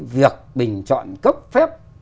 việc bình chọn cấp phép